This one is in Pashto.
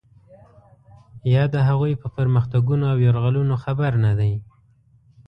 یا د هغوی په پرمختګونو او یرغلونو خبر نه دی.